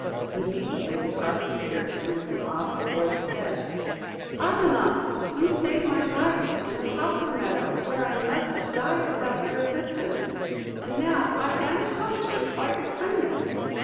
Immediately the carp appeared, and with an audible voice said, "Avenant, you saved my life in the poplar meadow, where I must have died without your assistance; and now I am come to requite your kindness.